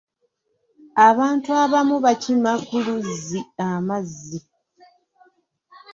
Abantu abamu bakima ku luzzi amazzi.